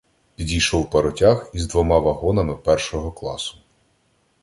Підійшов паротяг із двома вагонами першого класу.